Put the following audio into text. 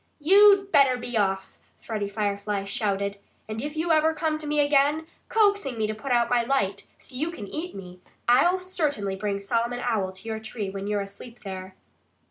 "You'd better be off!" Freddie Firefly shouted. "And if you ever come to me again, coaxing me to put out my light so you can eat me I'll certainly bring Solomon Owl to your tree when you're asleep there."